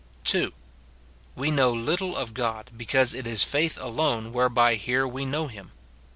We know little of God, because it is faith alone whereby here we know him.